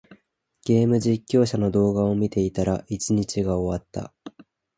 ゲーム実況者の動画を見ていたら、一日が終わった。